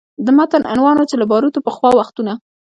د متن عنوان و چې له باروتو پخوا وختونه